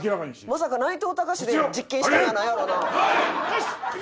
「まさか内藤剛志で実験したんやないやろな？」